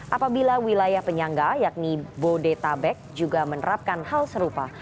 apabila wilayah penyangga yakni bodetabek juga menerapkan hal serupa